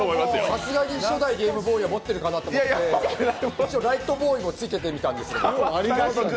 さすがに初代ゲームボーイは持ってるかと思って、ライトボーイもつけてみたいんですが。